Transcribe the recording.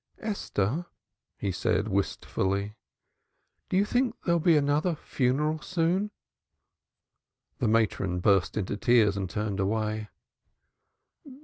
"Esther!" he said, wistfully, "do you think there'll be another funeral soon?". The matron burst into tears and turned away.